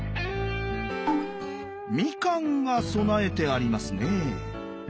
みかんが供えてありますね。